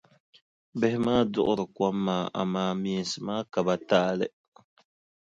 Bihi maa duɣiri kom maa amaa meensi maa ka ba taali.